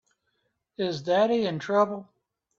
Is Daddy in trouble?